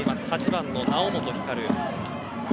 ８番の猶本光。